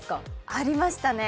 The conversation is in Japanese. ありましたね。